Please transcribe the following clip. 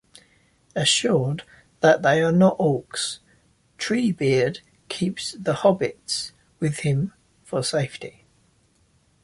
Assured that they are not orcs, Treebeard keeps the hobbits with him for safety.